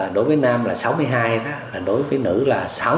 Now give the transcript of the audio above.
đối với nam là sáu mươi hai đối với nữ là sáu mươi